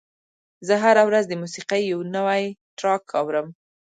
زه هره ورځ د موسیقۍ یو نوی ټراک اورم.